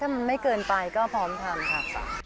ถ้ามันไม่เกินไปก็พร้อมทำค่ะ